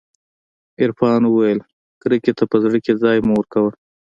عرفان وويل کرکې ته په زړه کښې ځاى مه ورکوه.